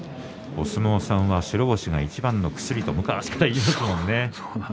お相撲さんは白星がいちばんの薬と昔から言いますものね。